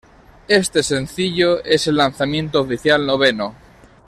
Este sencillo es el lanzamiento oficial noveno.